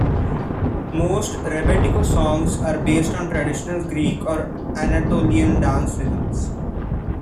Most rebetiko songs are based on traditional Greek or Anatolian dance rhythms.